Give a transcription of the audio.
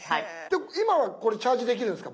今はこれチャージできるんですか